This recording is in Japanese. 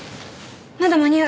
まだ間に合う。